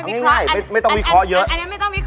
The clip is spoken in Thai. อันนี้ไม่ต้องวิเคราะห์เยอะ